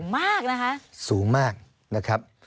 มันสูงมากนะคะ